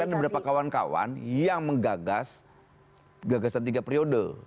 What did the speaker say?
ada beberapa kawan kawan yang menggagas gagasan tiga periode